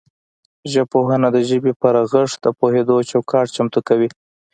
ژبپوهنه د ژبې پر رغښت د پوهیدو چوکاټ چمتو کوي